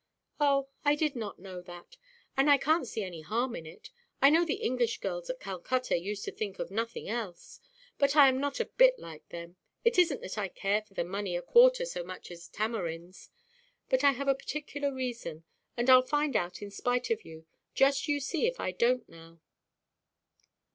"Oh, I did not know that, and I canʼt see any harm in it. I know the English girls at Calcutta used to think of nothing else. But I am not a bit like them; it isnʼt that I care for the money a quarter so much as tamarinds; but I have a particular reason; and Iʼll find out in spite of you. Just you see if I donʼt, now."